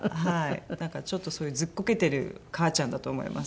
なんかちょっとそういうずっこけてる母ちゃんだと思います。